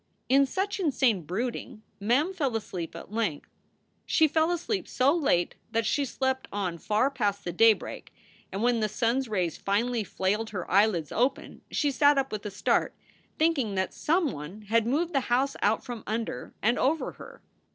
In such insane brooding Mem fell asleep at length. She fell asleep so late that she slept on far past the day break, and when the sun s rays finally flailed her eyelids open she sat up with a start, thinking that some one had moved the house out from under and over her.